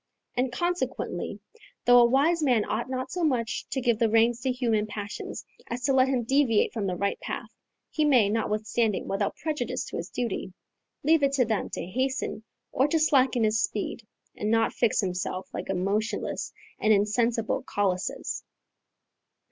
And, consequently, though a wise man ought not so much to give the reins to human passions as to let him deviate from the right path, he may, notwithstanding, without prejudice to his duty, leave it to them to hasten or to slacken his speed, and not fix himself like a motionless and insensible Colossus.